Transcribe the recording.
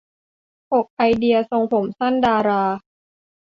หก ไอเดีย ทรงผมสั้นดารา